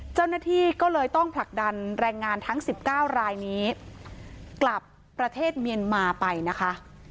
เจ้าหน้าที่ก็เลยต้องผลักดันแรงงานทั้ง๑๙รายนี้กลับประเทศเมียนมาไปนะคะ